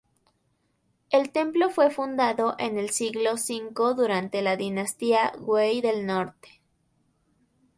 El templo fue fundado en el siglo V durante la dinastía Wei del Norte.